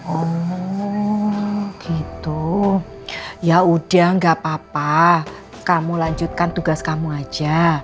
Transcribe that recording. oh gitu ya udah gak apa apa kamu lanjutkan tugas kamu aja